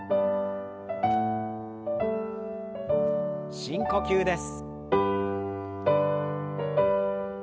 深呼吸です。